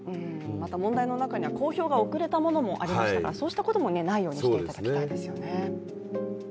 また問題の中には公表が遅れたこともありましたからそうしたことも、ないようにしていただきたいですよね。